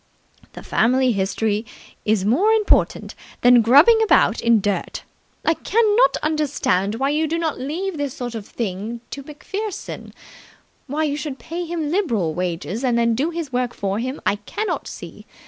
"The Family History is more important than grubbing about in the dirt. I cannot understand why you do not leave this sort of thing to MacPherson. Why you should pay him liberal wages and then do his work for him, I cannot see.